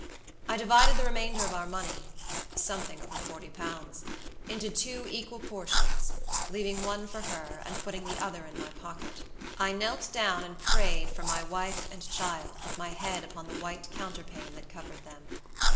I divided the remainder of our moneysomething over forty poundsinto two equal portions, leaving one for her, and putting the other in my pocket. I knelt down and prayed for my wife and child, with my head upon the white counterpane that covered them.